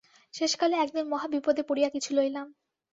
শেষকালে একদিন মহা বিপদে পড়িয়া কিছু লইলাম।